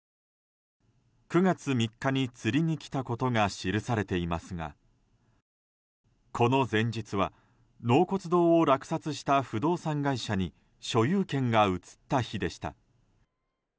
９月３日に釣りに来たことが記されていますがこの前日は納骨堂を落札した不動産会社に所有権が移った日でした。